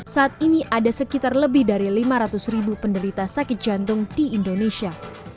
saat ini ada sekitar lebih dari lima ratus ribu penderita sakit jantung di indonesia